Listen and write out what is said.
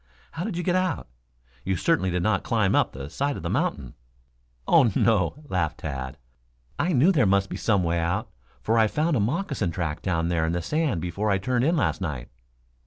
"How did you get out? You certainly did not climb up the side of the mountain." "Oh, no," laughed Tad. "I knew there must be some way out, for I found a moccasin track down there in the sand before I turned in last night."